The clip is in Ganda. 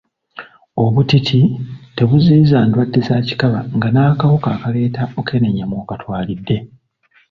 Obutiiti tebuziyiza ndwadde za kikaba nga n'akawuka akaleeta mukenenya mw'okatwalidde.